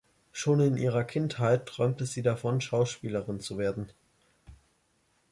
Schon in ihrer Kindheit träumte sie davon, Schauspielerin zu werden.